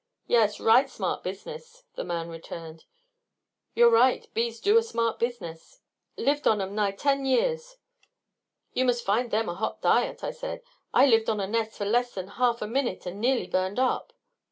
"Yas. Right smart business," the man returned. "You're right; bees do a smart business." "Lived on 'em nigh ten years." "You must find them a hot diet!" I said. "I lived on a nest of them less than half a minute and nearly burned up."